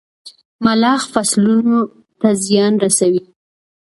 ملخ فصلونو ته زيان رسوي.